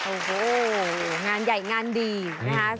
โอ้โหงานใหญ่งานดีนะคะ